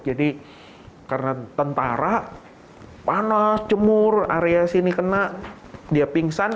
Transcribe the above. jadi karena tentara panas cemur area sini kena dia pingsan